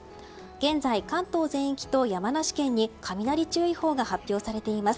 現在、関東全域と山梨県に雷注意報が発表されています。